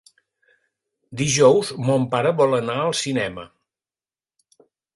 Dijous mon pare vol anar al cinema.